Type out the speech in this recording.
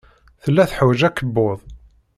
Tella teḥwaj akebbuḍ.